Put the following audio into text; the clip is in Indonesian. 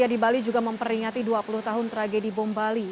pembali juga memperingati dua puluh tahun tragedi bom bali